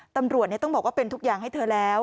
ตำรวจต้องบอกว่าเป็นทุกอย่างให้เธอแล้ว